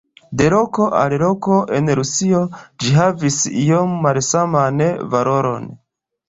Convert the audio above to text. De loko al loko en Rusio ĝi havis iom malsaman valoron.